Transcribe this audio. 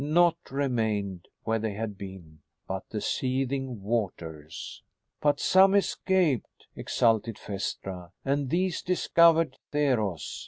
Nought remained where they had been but the seething waters. "But some escaped!" exulted Phaestra, "and these discovered Theros.